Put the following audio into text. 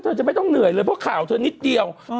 จะไม่ต้องเหนื่อยเลยเพราะข่าวเธอนิดเดียว